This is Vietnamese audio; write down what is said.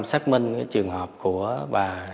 xác minh trường hợp của bà